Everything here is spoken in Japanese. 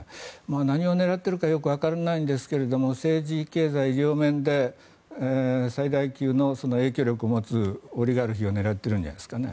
何を狙っているかよくわからないですが政治、経済両面で最大級の影響力を持つオリガルヒを狙っているんじゃないですかね。